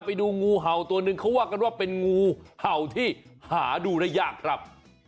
ไปดูงูเห่าตัวหนึ่งเขาว่ากันว่าเป็นงูเห่าที่หาดูได้ยากครับ